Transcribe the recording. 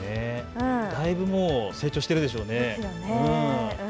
だいぶ成長しているでしょうね。